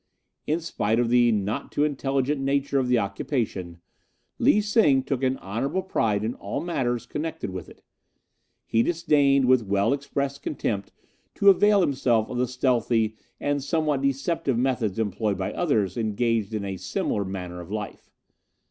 In spite of the not too intelligent nature of the occupation, Lee Sing took an honourable pride in all matters connected with it. He disdained, with well expressed contempt, to avail himself of the stealthy and somewhat deceptive methods employed by others engaged in a similar manner of life.